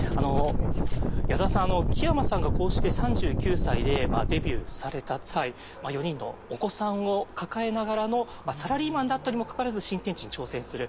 矢沢さん木山さんがこうして３９歳でデビューされた際４人のお子さんを抱えながらのサラリーマンだったにもかかわらず新天地に挑戦する。